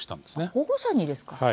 保護者にですか。